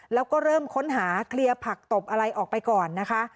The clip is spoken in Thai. แล้วก็เริ่มค้นหาเคลียร์ผักตบอะไรออกไปก่อนนะคะ